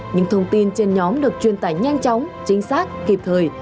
những thông tin trên nhóm được truyền tải nhanh chóng chính xác kịp thời